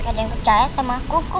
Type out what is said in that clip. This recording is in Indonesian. gak ada yang percaya sama aku